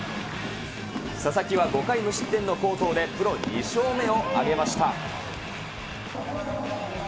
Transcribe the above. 佐々木は５回無失点の好投で、プロ２勝目を挙げました。